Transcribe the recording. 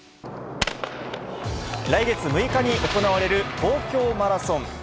来月６日に行われる東京マラソン。